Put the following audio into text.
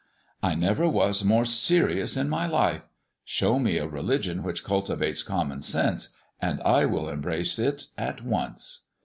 "I never was more serious in my life. Show me a religion which cultivates common sense, and I will embrace it at once."